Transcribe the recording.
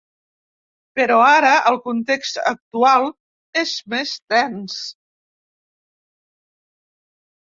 Però ara el context actual és més tens.